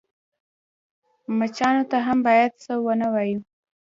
_مچانو ته هم بايد څه ونه وايو.